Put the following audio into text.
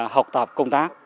học tập công tác